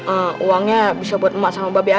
eh uangnya bisa buat emak sama babi aja